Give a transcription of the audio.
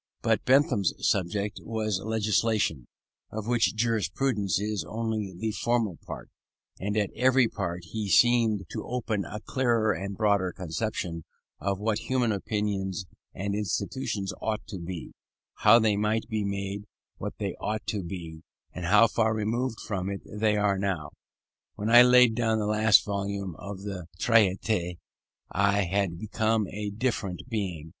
But Bentham's subject was Legislation, of which Jurisprudence is only the formal part: and at every page he seemed to open a clearer and broader conception of what human opinions and institutions ought to be, how they might be made what they ought to be, and how far removed from it they now are. When I laid down the last volume of the Traité, I had become a different being.